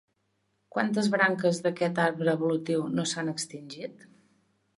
Quantes branques d'aquest arbre evolutiu no s'han extingit?